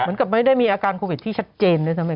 เหมือนกับไม่ได้มีอาการโควิดที่ชัดเจนด้วยซ้ำ